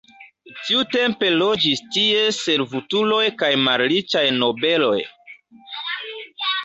Tiutempe loĝis tie servutuloj kaj malriĉaj nobeloj.